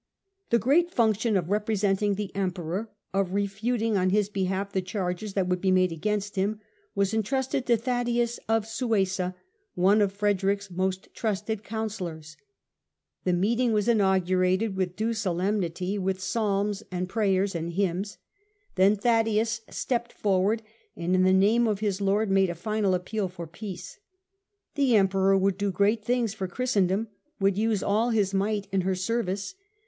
The great function of representing the Emperor, of refuting on his behalf the charges that would be made against him, was entrusted to Thaddaeus of Suessa, one of Frederick's most trusted councillors. The meeting was inaugurated with all due solemnity, with psalms and prayers and hymns. Then Thaddaeus 226 STUPOR MUNDI stept forward, and in the name of his Lord made a final appeal for peace. The Emperor would do great things for Christendom, would use all his might in her service.